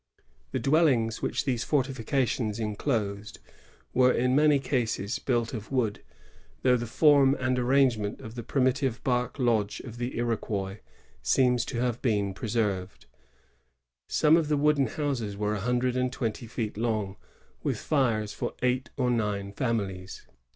The dwellings which these fortifications enclosed were in many cases built of wood, though the form and arrangement of the primitive bark lodge of the Iroquois seems to have been preserved. Some of the wooden houses were a hundred and twenty feet long, with fires for eight or nine families.